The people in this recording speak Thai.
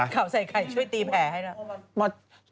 ข่าวใส่ไข่ช่วยตีแผลให้หน่อย